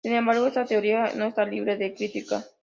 Sin embargo, esta teoría no está libre de crítica.